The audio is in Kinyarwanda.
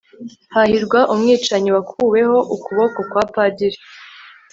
Hahirwa umwicanyi wakuweho ukuboko kwa padiri